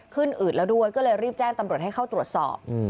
อืดแล้วด้วยก็เลยรีบแจ้งตำรวจให้เข้าตรวจสอบ